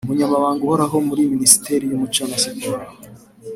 Umunyamabanga uhoraho muri Minisiteri y' umuco na Siporo